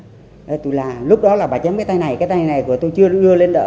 thế tôi la lúc đó là bà chém cái tay này cái tay này của tôi chưa đưa lên đỡ